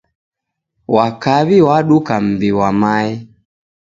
Wa Kaw'i waduka mbi wa mae.